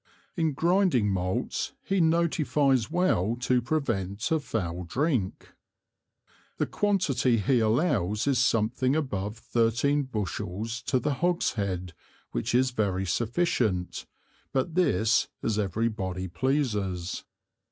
In Grinding Malts he notifies well to prevent a foul Drink. The quantity he allows is something above thirteen Bushels to the Hogshead which is very sufficient; but this as every body pleases.